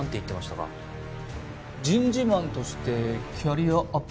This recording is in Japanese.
人事マンとしてキャリアアップしたい。